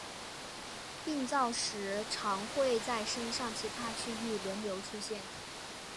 病灶时常会在身上其他区域轮流出现。